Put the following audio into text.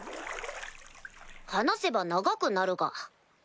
話せば長くなるが。